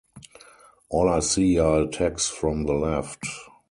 All I see are attacks from the left.